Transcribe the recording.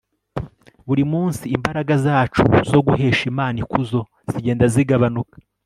buri munsi imbaraga zacu zo guhesha imana ikuzo zigenda zigabanuka